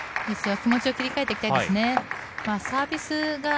気持ちを切り替えていきたいですね。